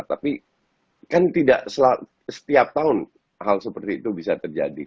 tapi kan tidak setiap tahun hal seperti itu bisa terjadi